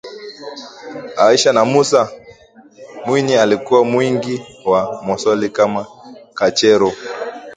Aisha na Musa? Mwinyi alikuwa mwingi wa maswali kama kachero